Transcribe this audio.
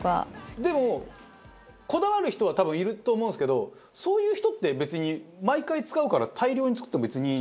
でもこだわる人は多分いると思うんですけどそういう人って別に毎回使うから大量に作っても別にいい。